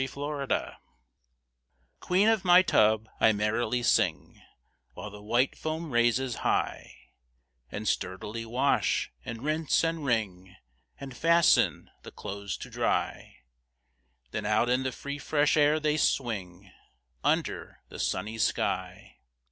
8 Autoplay Queen of my tub, I merrily sing, While the white foam raises high, And sturdily wash, and rinse, and wring, And fasten the clothes to dry; Then out in the free fresh air they swing, Under the sunny sky.